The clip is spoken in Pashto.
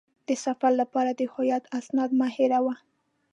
د سفر لپاره د هویت اسناد مه هېروه.